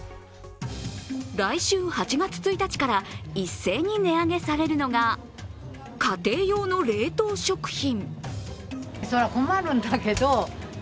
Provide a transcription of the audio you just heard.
来週８月１日から一斉に値上げされるのが家庭用の冷凍食品。